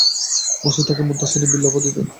মনসূর তাঁকে মুসতানসির বিল্লাহ্ উপাধি দেন।